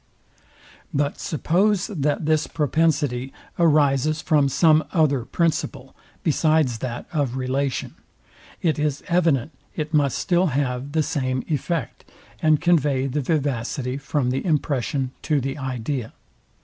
But suppose, that this propensity arises from some other principle, besides that of relation; it is evident it must still have the same effect, and convey the vivacity from the impression to the idea.